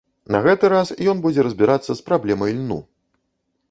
На гэты раз ён будзе разбірацца з праблемай льну.